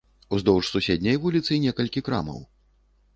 Уздоўж суседняй вуліцы некалькі крамаў.